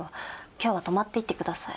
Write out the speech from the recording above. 今日は泊まっていってください。